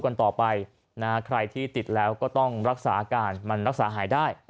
กันต่อไปใครที่ติดแล้วก็ต้องรักษาอาการมันรักษาหายได้